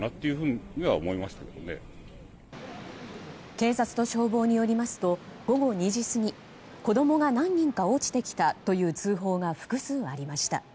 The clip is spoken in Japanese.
警察と消防によりますと午後２時過ぎ子供が何人か落ちてきたという通報が複数ありました。